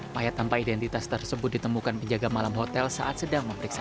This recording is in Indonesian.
mayat tanpa identitas tersebut ditemukan penjaga malam hotel saat sedang memeriksa